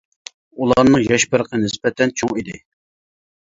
ئۇلارنىڭ ياش پەرقى نىسبەتەن چوڭ ئىدى.